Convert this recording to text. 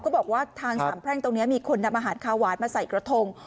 บอกว่าทางสามแพร่งตรงนี้มีคนนำอาหารคาหวานมาใส่กระทง